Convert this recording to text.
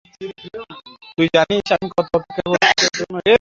তুই জানিস, আমি কত অপেক্ষা করেছি তোর জন্যে।